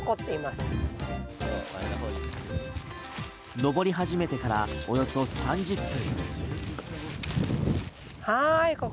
登り始めてからおよそ３０分。